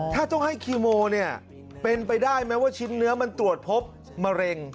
ถ้าต้องให้คีโมเนี่ยเป็นไปได้ไหมว่าชิ้นเนื้อมันตรวจพบมะเร็ง